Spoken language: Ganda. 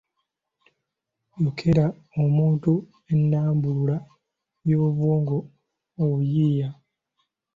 Lyoleka omuntu ennambulula y’obwongo mu buyiiya